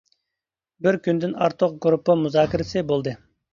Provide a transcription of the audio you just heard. بىر كۈندىن ئارتۇق گۇرۇپپا مۇزاكىرىسى بولدى.